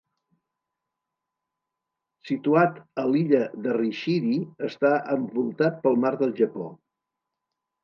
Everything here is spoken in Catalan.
Situat a l'illa de Rishiri, està envoltat pel mar del Japó.